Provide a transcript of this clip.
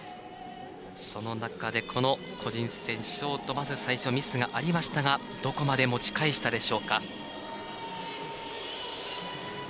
その中で、この個人戦ショートは最初、まずミスがありましたがどこまで持ち返したでしょうか。